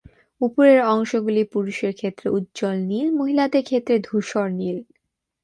উপরের অংশগুলি পুরুষের ক্ষেত্রে উজ্জ্বল নীল, মহিলাদের ক্ষেত্রে ধূসর-নীল।